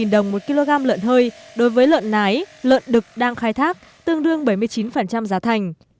đồng một kg lợn hơi đối với lợn nái lợn đực đang khai thác tương đương bảy mươi chín giá thành